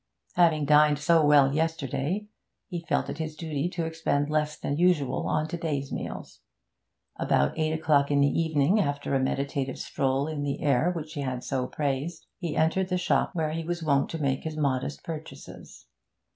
Having dined so well yesterday, he felt it his duty to expend less than usual on to day's meals. About eight o'clock in the evening, after a meditative stroll in the air which he had so praised, he entered the shop where he was wont to make his modest purchases.